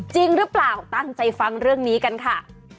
จริงหรือเปล่าตั้งใจฟังเรื่องนี้กันค่ะ